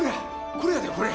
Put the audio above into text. これやでこれ！